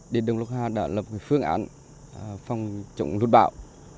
điện đông lúc hà đã lập phương án phòng chống lút bão